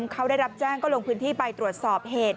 เขาได้รับแจ้งก็ลงพื้นที่ไปตรวจสอบเหตุ